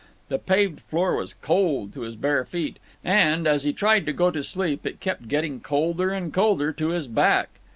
The paved floor was cold to his bare feet, and, as he tried to go to sleep, it kept getting colder and colder to his back.